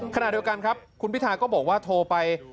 ขณะเดียวกันครับคุณพิทาก็บอกว่าโทรไป